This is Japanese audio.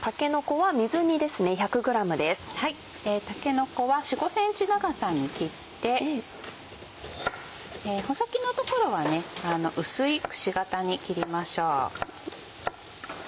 たけのこは４５ｃｍ長さに切って穂先の所は薄いくし形に切りましょう。